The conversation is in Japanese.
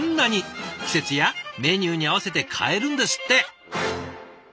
季節やメニューに合わせて変えるんですって。